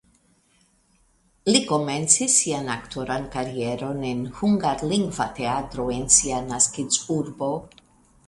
Li komencis sian aktoran karieron en hungarlingva teatro en sia naskiĝurbo.